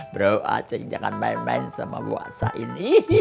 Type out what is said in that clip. bro acing jangan main main sama wak sain